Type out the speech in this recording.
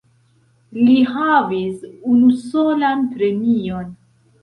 Li havis unusolan premion.